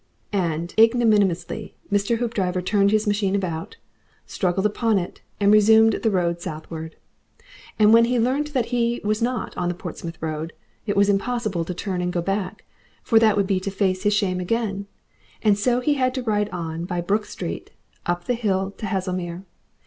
And, ignominiously, Mr. Hoopdriver turned his machine about, struggled upon it, and resumed the road southward. And when he learnt that he was not on the Portsmouth road, it was impossible to turn and go back, for that would be to face his shame again, and so he had to ride on by Brook Street up the hill to Haslemere.